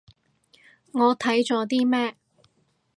我睇咗啲咩